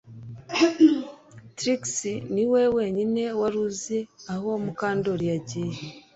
Trix niwe wenyine wari uzi aho Mukandoli yagiye